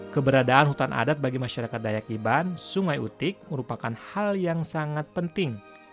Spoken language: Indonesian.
keberadaan hutan adat bagi masyarakat dayak iban sungai utik merupakan hal yang sangat penting